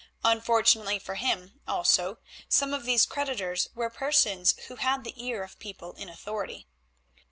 Unfortunately for him, also, some of these creditors were persons who had the ear of people in authority.